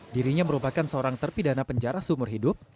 dirinya merupakan seorang terpidana penjara seumur hidup